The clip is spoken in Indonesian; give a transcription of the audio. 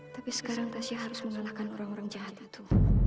tapi sekarang tasyah harus mengalahkan orang orang jahat itu